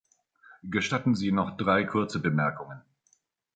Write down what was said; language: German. Gestatten Sie noch drei kurze Bemerkungen.